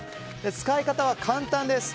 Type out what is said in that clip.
使い方は簡単です。